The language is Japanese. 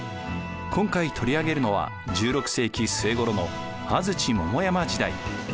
今回取り上げるのは１６世紀末ごろの安土桃山時代。